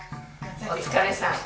お疲れさん。